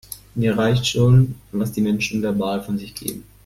Mir reicht schon, was die Menschen verbal von sich geben.